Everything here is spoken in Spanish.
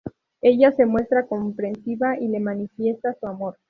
Ella se muestra comprensiva y le manifiesta su amor.